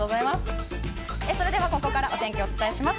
それではここからお天気をお伝えします。